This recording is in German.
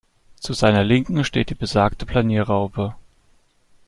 Zu seiner Linken steht die besagte Planierraupe.